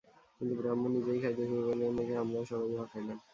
কিন্তু ব্রাহ্মণ নিজেই খাইতে শুরু করিলেন দেখিয়া আমরাও সবাই উহা খাইলাম।